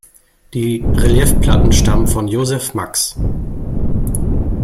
Die Reliefplatten stammen von Joseph Max.